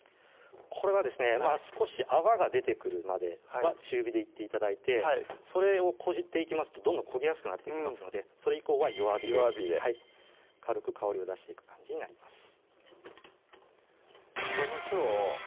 これはですね少し泡が出てくるまでは中火でいって頂いてそれを越していきますとどんどん焦げやすくなっていきますのでそれ以降は弱火で弱火で軽く香りを出していく感じになります